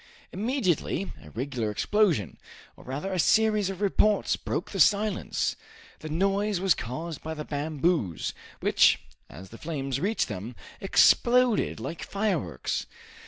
Immediately, a regular explosion, or rather a series of reports, broke the silence! The noise was caused by the bamboos, which, as the flames reached them, exploded like fireworks.